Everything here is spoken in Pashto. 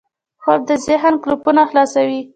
خوب د ذهن قفلونه خلاصوي